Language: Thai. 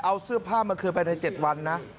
เอาเสื้อผ้ามาคืนไปใน๗วันนะ